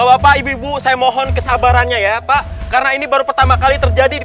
bapak ibu ibu saya mohon kesabarannya ya pak karena ini baru pertama kali terjadi di